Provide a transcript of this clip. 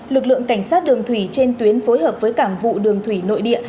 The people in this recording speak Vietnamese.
lực lượng cảnh sát đường thủy trên tuyến phối hợp với cảng vụ đường thủy nội địa